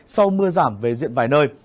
sau mưa giảm về diện vài nơi